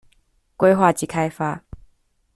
規劃及開發